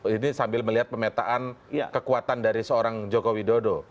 ini sambil melihat pemetaan kekuatan dari seorang joko widodo